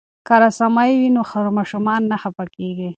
که رسامي وي نو ماشوم نه خفه کیږي.